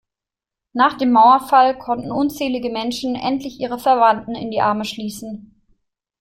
Nach dem Mauerfall konnten unzählige Menschen endlich ihre Verwandten in die Arme schließen.